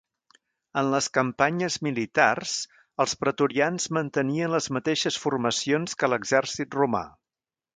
En les campanyes militars, els pretorians mantenien les mateixes formacions que l'exèrcit romà.